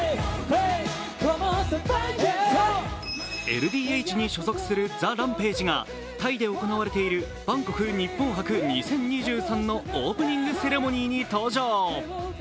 ＬＤＨに所属するＴＨＥＲＡＭＰＡＧＥがタイで行われているバンコク日本博２０２３のオープニングセレモニーに登場。